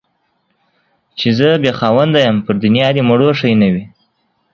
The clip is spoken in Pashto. چي زه بې خاونده يم ، پر دنيا دي مړوښه نه وي.